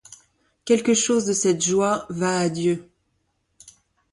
Quelque chose de cette joie va à Dieu.